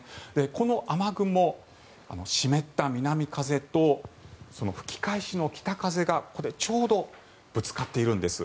この雨雲湿った南風と吹き返しの北風がここでちょうどぶつかっているんです。